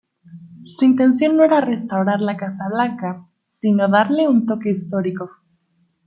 Su intención no era restaurar la Casa Blanca, sino darle un toque histórico.